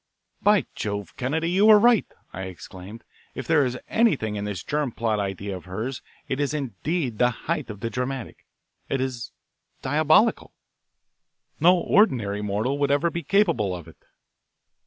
"By Jove, Kennedy, you were right," I exclaimed. "If there is anything in this germ plot idea of hers it is indeed the height of the dramatic it is diabolical. No ordinary mortal would ever be capable of it."